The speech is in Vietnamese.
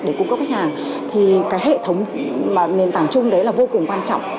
để cung cấp khách hàng thì cái hệ thống nền tảng chung đấy là vô cùng quan trọng